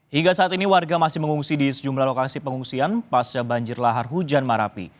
hingga saat ini warga masih mengungsi di sejumlah lokasi pengungsian pasca banjir lahar hujan marapi